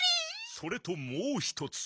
それともうひとつ。